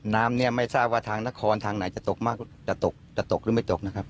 น้ำเนี่ยไม่ทราบว่าทางนครทางไหนจะตกมากจะตกจะตกหรือไม่ตกนะครับ